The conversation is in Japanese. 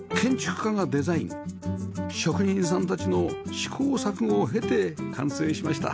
職人さんたちの試行錯誤を経て完成しました